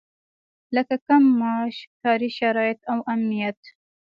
لکه کم معاش، کاري شرايط او امنيت.